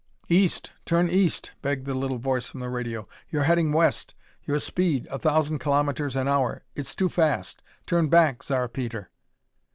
"East! Turn East!" begged the little voice from the radio. "You're heading west. Your speed a thousand kilometers an hour it's too fast. Turn back, Zar Peter!"